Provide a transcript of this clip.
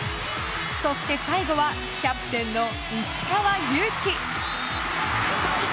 そして最後はキャプテンの石川祐希。